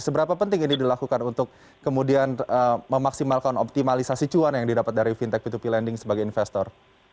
seberapa penting ini dilakukan untuk kemudian memaksimalkan optimalisasi cuan yang didapat dari fintech p dua p lending sebagai investor